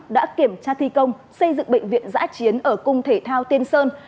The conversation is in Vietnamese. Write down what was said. đã kiểm tra thi công xây dựng bệnh viện giã chiến ở cung thể thao tiên sơn